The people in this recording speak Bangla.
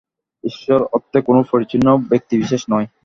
ঈশ্বর অর্থে কোন পরিচ্ছন্ন ব্যক্তিবিশেষ নয়।